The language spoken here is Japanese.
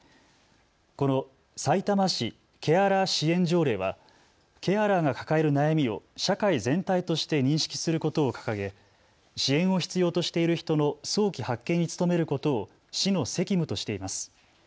このさいたま市ケアラー支援条例はケアラーが抱える悩みを社会全体として認識することを掲げ、支援を必要としている人の早期発見に努めることを市の責務としています。